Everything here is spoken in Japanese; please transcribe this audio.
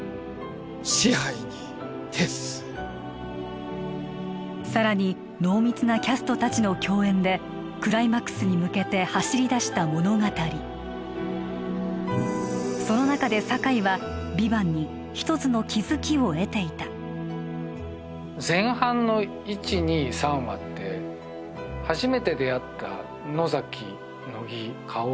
紙背に徹すさらに濃密なキャスト達の共演でクライマックスに向けて走り出した物語その中で堺は「ＶＩＶＡＮＴ」に一つの気づきを得ていた前半の１２３話って初めて出会った野崎乃木薫